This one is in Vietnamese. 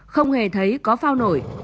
không hề thấy có phao nổi